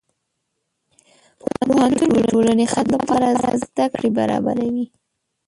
پوهنتون د ټولنې خدمت لپاره زدهکړې برابروي.